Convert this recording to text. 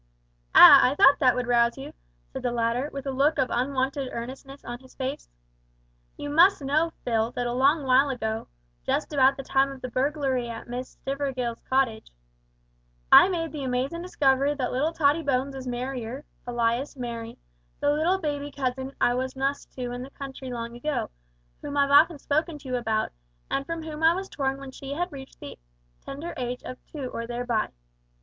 "Ah, I thought that would rouse you," said the latter, with a look of unwonted earnestness on his face. "You must know, Phil, that a long while ago just about the time of the burglary at Miss Stivergill's cottage I made the amazin' discovery that little Tottie Bones is Mariar alias Merry, the little baby cousin I was nuss to in the country long ago, whom I've often spoke to you about, and from whom I was torn when she had reached the tender age of two or thereby.